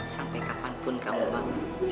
sampai kapanpun kamu mau